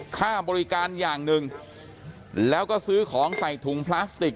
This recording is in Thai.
ค่าบริการอย่างหนึ่งแล้วก็ซื้อของใส่ถุงพลาสติก